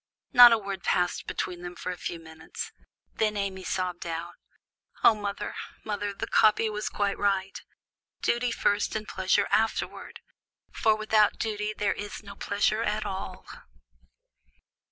Not a word passed between them for a few minutes; then Amy sobbed out, "O mother! mother! the copy was quite right, 'Duty first, and pleasure afterward;' for without duty there is no pleasure at all."